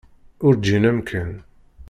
Ur ǧǧin amkan.